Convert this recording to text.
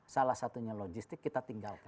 salah satunya logistik kita tinggalkan